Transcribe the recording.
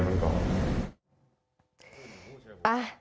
ไป